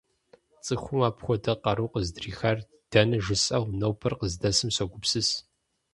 ЦӀыхум апхуэдэ къару къыздрихар дэнэ жысӀэу, нобэр къыздэсым согупсыс.